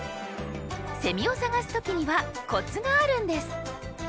セミを探す時にはコツがあるんです。